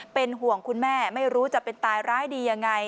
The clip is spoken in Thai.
เป็นห่วงคุณแม่ไม่รู้จะเป็นตายร้ายดียังไง